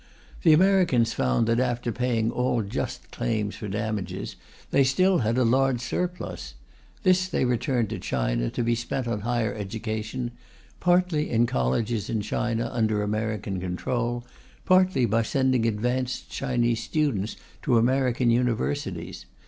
The Americans found that, after paying all just claims for damages, they still had a large surplus. This they returned to China to be spent on higher education, partly in colleges in China under American control, partly by sending advanced Chinese students to American universities.